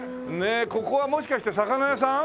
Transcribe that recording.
ここはもしかして魚屋さん？